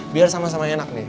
biar sama sama enak nih